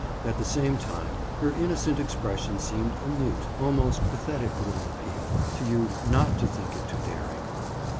At the same time her innocent expression seemed a mute, almost pathetic little appeal to you not to think it too daring.